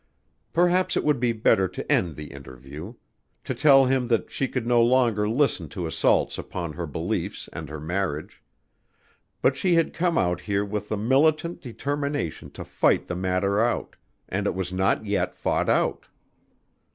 Perhaps it would be better to end the interview; to tell him that she could no longer listen to assaults upon her beliefs and her marriage but she had come out here with the militant determination to fight the matter out, and it was not yet fought out.